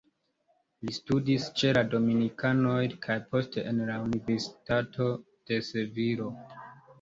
Li studis ĉe la dominikanoj kaj poste en la Universitato de Sevilo.